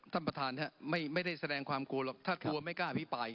ท่านประธานไม่ได้แสดงความกลัวหรอกถ้ากลัวไม่กล้าอภิปราย